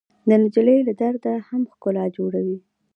نجلۍ له درده هم ښکلا جوړوي.